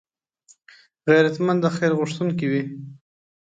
غیرتمند د خیر غوښتونکی وي